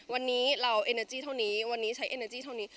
วันนี้เราเอเนอร์จี้เท่านี้วันนี้ใช้เอเนอร์จี้เท่านี้